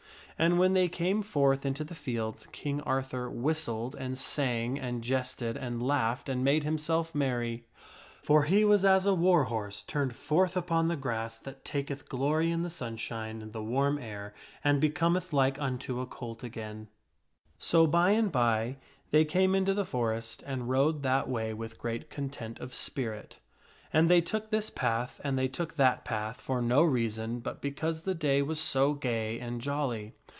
And when they came forth into the fields, King Arthur whistled and sang and jested and laughed and made himself merry ; for he King Arthur was as a war horse turned forth upon the grass that taketh sgt forthwith glory in the sunshine and the warm air and becometh like unto a colt again. 296 THE STORY OF SIR GAWAINE So by and by they came into the forest and rode that way with great content of spirit ; and they took this path and they took that path for no reason but because the day was so gay and jolly.